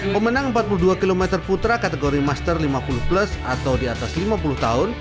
pemenang empat puluh dua km putra kategori master lima puluh plus atau di atas lima puluh tahun